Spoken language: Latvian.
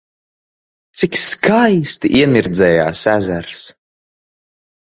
Cik skaisti iemirdzējās ezers!